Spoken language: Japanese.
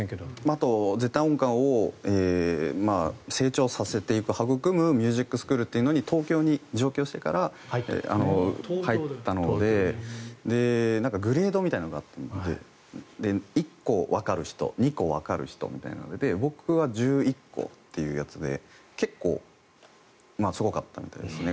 あと、絶対音感を成長させていく育むミュージックスクールというのに東京に上京してから入ったのでグレードみたいなのがあったので１個わかる人２個わかる人みたいなので僕は１１個っていうやつで結構、すごかったみたいですね。